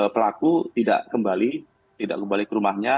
pelaku tidak kembali tidak kembali ke rumahnya